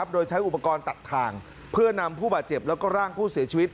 โดยใช้อุปกรณ์ตัดทางเพื่อนำผู้บาดเจ็บแล้วก็ร่างผู้เสียชีวิต